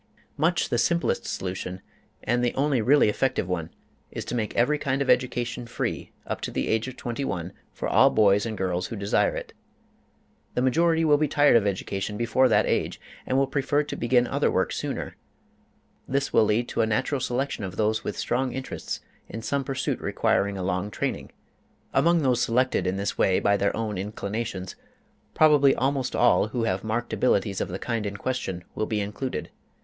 Much the simplest solution, and the only really effective one, is to make every kind of education free up to the age of twenty one for all boys and girls who desire it. The majority will be tired of education before that age, and will prefer to begin other work sooner; this will lead to a natural selection of those with strong interests in some pursuit requiring a long training. Among those selected in this way by their own inclinations, probably almost all tho have marked abilities of the kind in question will be included.